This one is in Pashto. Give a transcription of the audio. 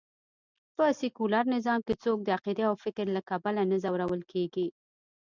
په سکیولر نظام کې څوک د عقېدې او فکر له کبله نه ځورول کېږي